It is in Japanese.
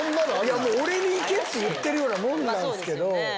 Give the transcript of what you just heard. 俺に行け！っていってるようなもんなんすけど。